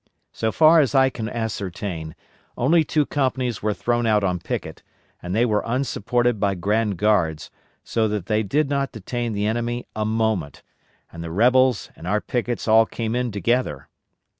So far as I can ascertain, only two companies were thrown out on picket, and they were unsupported by grand guards, so that they did not detain the enemy a moment, and the rebels and our pickets all came in together.